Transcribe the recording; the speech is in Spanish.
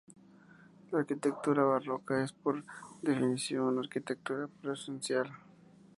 La arquitectura barroca es por definición una arquitectura procesional.